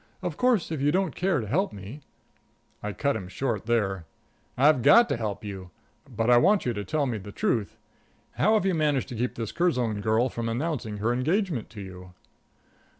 Of course, if you don't care to help me " I cut him short there. "I've got to help you. But I want you to tell me the truth. How have you managed to keep this Curzon girl from announcing her engagement to you?"